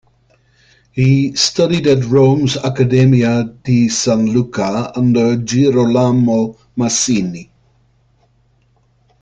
He studied at Rome's Accademia di San Luca under Girolamo Masini.